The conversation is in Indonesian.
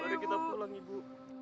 mari kita pulang ibu